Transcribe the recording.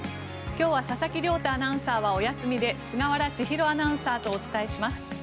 今日は佐々木亮太アナウンサーはお休みで菅原知弘アナウンサーとお伝えします。